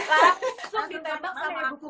langsung ditembak sama aku